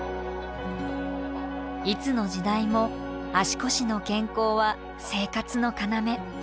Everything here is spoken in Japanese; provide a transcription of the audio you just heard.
いつの時代も足腰の健康は生活の要。